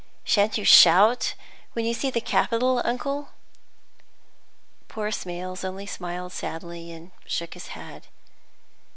Sha'n't you shout when you see the Capitol, uncle?" Poor Smales only smiled sadly and shook his head.